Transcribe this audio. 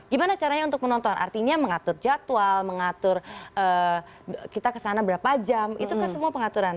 gimana caranya untuk menonton artinya mengatur jadwal mengatur kita kesana berapa jam itu kan semua pengaturan